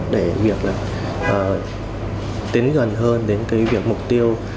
để việc tiến gần hơn đến cái việc mục tiêu